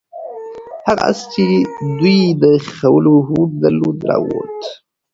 هغه آس چې دوی یې د ښخولو هوډ درلود راووت.